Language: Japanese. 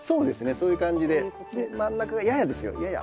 そういう感じでで真ん中がややですよやや。